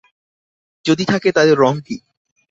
যদি থাকে, তাদের রঙ কী?